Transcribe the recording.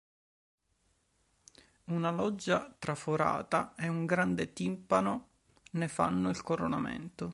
Una loggia traforata e un grande timpano ne fanno il coronamento.